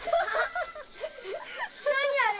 ・何あれ！